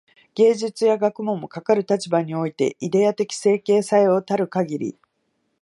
芸術や学問も、かかる立場においてイデヤ的形成作用たるかぎり、